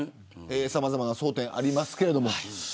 さまざまな争点ありますけど。